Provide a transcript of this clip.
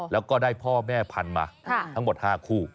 แล้วก็ได้พ่อแม่พันธุ์มาทั้งหมด๕คู่